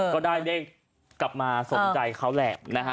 ก็ได้เล่นกลับมาสนใจเขาแหละ